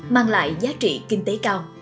mang lại giá trị kinh tế cao